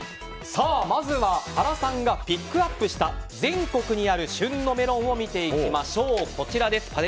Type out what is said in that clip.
まずは原さんがピックアップした全国にある旬のメロンを見ていきましょう。